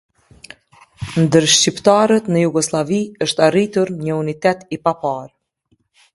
Ndër shqiptarët në Jugosllavi është arritur një unitet i paparë.